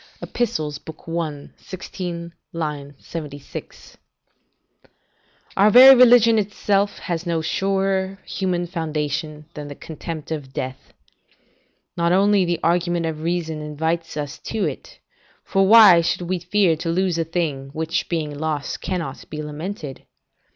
Ep., i. 16, 76.] Our very religion itself has no surer human foundation than the contempt of life. Not only the argument of reason invites us to it for why should we fear to lose a thing, which being lost, cannot be lamented?